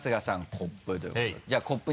コップということで。